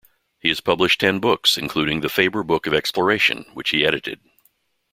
He has published ten books, including the "Faber Book of Exploration", which he edited.